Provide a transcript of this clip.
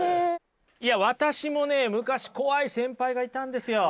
いや私もね昔怖い先輩がいたんですよ。